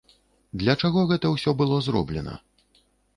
Для чаго гэта ўсё было зроблена?